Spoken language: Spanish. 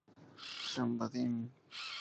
San Vadim